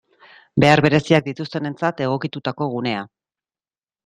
Behar bereziak dituztenentzat egokitutako gunea.